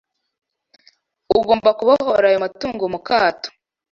Ugomba kubohora ayo matungo mu kato.